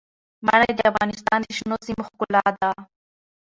منی د افغانستان د شنو سیمو ښکلا ده.